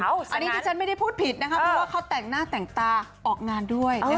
อันนี้ที่ฉันไม่ได้พูดผิดนะคะเพราะว่าเขาแต่งหน้าแต่งตาออกงานด้วย